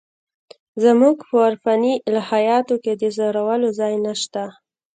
زموږ په عرفاني الهیاتو کې د ځورولو ځای نشته.